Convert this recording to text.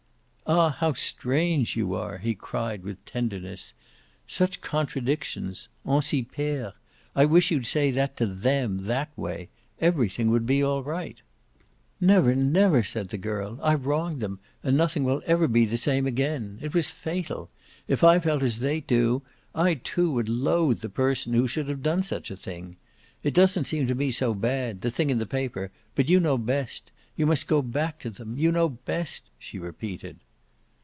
"Ah how strange you are!" he cried with tenderness. "Such contradictions on s'y perd. I wish you'd say that to THEM, that way. Everything would be right." "Never, never!" said the girl. "I've wronged them, and nothing will ever be the same again. It was fatal. If I felt as they do I too would loathe the person who should have done such a thing. It doesn't seem to me so bad the thing in the paper; but you know best. You must go back to them. You know best," she repeated.